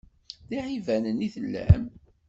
D iɛibanen i tellam?